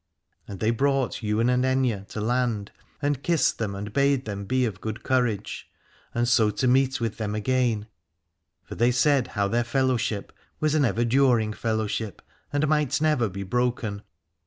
And they brought Ywain and Aithne to land, and kissed them and bade them be of good courage, and so to meet with them again, for they said how their fellowship was an ever during fellowship, and might never be broken.